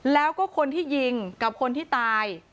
แล้วก็คนที่ยิงกับคนที่ตาย